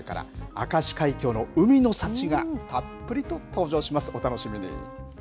明石海峡の海の幸がたっぷりと登場します。